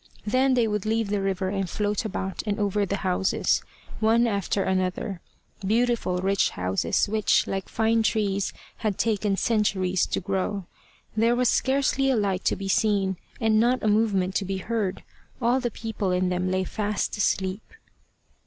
Then they would leave the river and float about and over the houses, one after another beautiful rich houses, which, like fine trees, had taken centuries to grow. There was scarcely a light to be seen, and not a movement to be heard: all the people in them lay fast asleep.